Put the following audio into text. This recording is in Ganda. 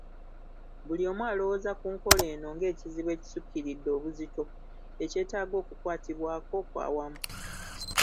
Buli omu alowooza ku nkola eno ng'ekizibu ekisukkiridde obuzito ekyetaaga okukwatibwako okwawamu